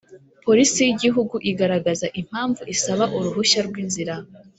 Polisi y’Igihugu igaragaza impamvu isaba uruhushya rw’inzira